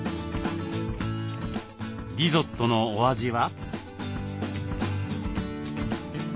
リゾットのお味は？